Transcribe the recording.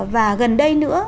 và gần đây nữa